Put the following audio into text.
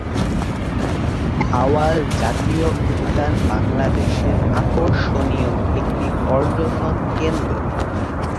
ভাওয়াল জাতীয় উদ্যান বাংলাদেশের আকর্ষণীয় একটি পর্যটন কেন্দ্র।